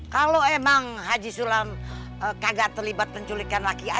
kalau emang haji sulam kagak terlibat penculikan laki